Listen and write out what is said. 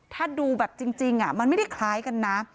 ถ้าดูแบบจริงมันไม่ได้คล้ายกันนะ